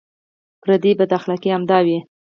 پردۍ بداخلاقۍ همدا وې.